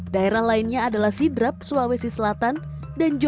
daerah lainnya adalah sidrap sulawesi selatan dan jawa